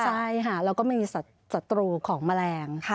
ใช่แล้วก็มีสัตว์ตรูของแมลง